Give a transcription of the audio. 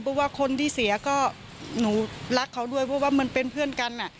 เพราะว่าคนที่เสียก็หนูรักเขาด้วยเพราะว่ามันเป็นเพื่อนกัน